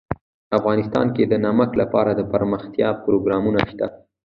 افغانستان کې د نمک لپاره دپرمختیا پروګرامونه شته.